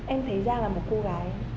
em thấy giang là một cô gái